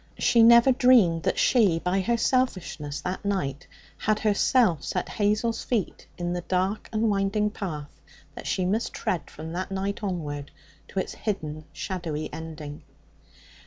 She never dreamed that she, by her selfishness that night, had herself set Hazel's feet in the dark and winding path that she must tread from that night onward to its hidden, shadowy ending.